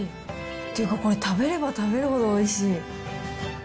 というか、これ、食べれば食べるほどおいしい。